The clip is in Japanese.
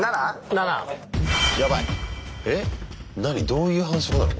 どういう反則なの？